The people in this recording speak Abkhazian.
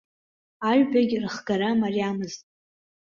Аҩбагь рыхгара мариамызт!